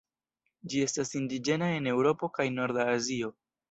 Ĝi estas indiĝena en Eŭropo kaj norda Azio.